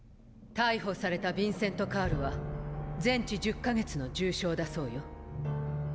逮捕されたビンセント・カールは全治１０か月の重傷だそうよ。